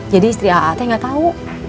jadi istri a'atnya nggak tahu